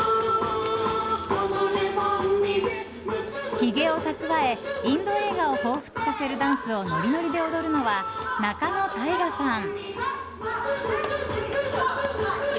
ひげを蓄えインド映画をほうふつさせるダンスをノリノリで踊るのは仲野太賀さん。